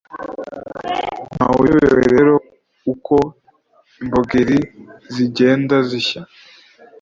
nta wuyobewe rero uko imbogeri zijyenda zishya